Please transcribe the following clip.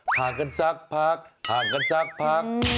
ห่างกันสักพักห่างกันสักพัก